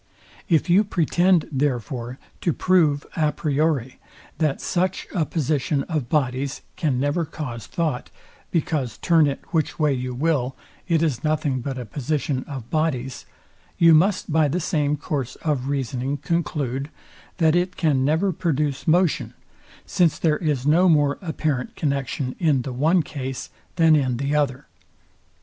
If you pretend, therefore, to prove a priori, that such a position of bodies can never cause thought; because turn it which way you will, it is nothing but a position of bodies; you must by the same course of reasoning conclude, that it can never produce motion; since there is no more apparent connexion in the one case than in the other.